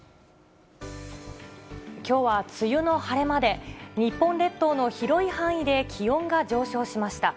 きょうは梅雨の晴れ間で、日本列島の広い範囲で気温が上昇しました。